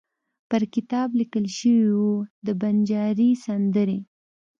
پر کتاب لیکل شوي وو: د بنجاري سندرې.